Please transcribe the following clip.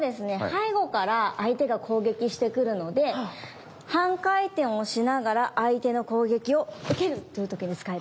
背後から相手が攻撃してくるので半回転をしながら相手の攻撃を受けるっていう時に使ってきます。